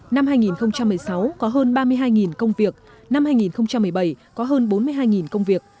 năm hai nghìn một mươi sáu có hơn ba mươi hai công việc năm hai nghìn một mươi bảy có hơn bốn mươi hai công việc